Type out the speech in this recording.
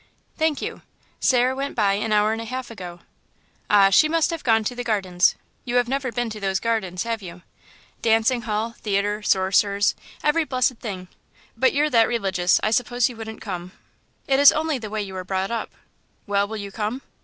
"Thank you.... Sarah went by an hour and a half ago." "Ah, she must have gone to the Gardens. You have never been to those gardens, have you? Dancing hall, theatre, sorcerers every blessed thing. But you're that religious, I suppose you wouldn't come?" "It is only the way you are brought up." "Well, will you come?"